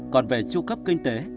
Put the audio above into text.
còn về tru cấp kinh tế